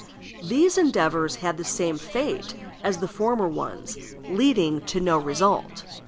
These endeavors had the same fate as the former ones, leading to no result.